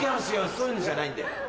そういうのじゃないんで。